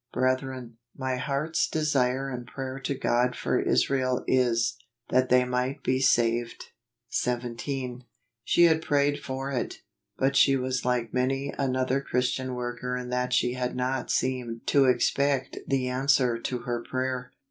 " Brethren, my heart's desire and prayer to God for Isiael is, that they might be saved." AUGUST. 91 17. She had prayed for it, but she was like many another Christian worker in that she had not seemed to expect the answer to her prayer.